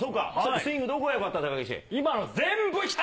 スイングどこがよかった？